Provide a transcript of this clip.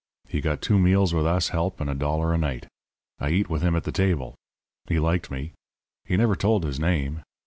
He got two meals with us help and a dollar a night. I eat with him at the table. He liked me. He never told his name.